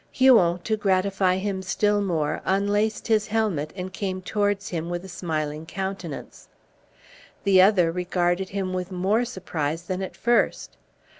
Huon, to gratify him still more, unlaced his helmet, and came towards him with a smiling countenance. The other regarded him with more surprise than at first.